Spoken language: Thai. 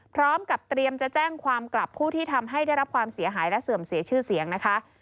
พร้อมกับเตรียมจะแจ้งความกลับผู้ที่ทำให้ได้รับความเสียหายและเสื่อมเสียชื่อเสียงนะคะ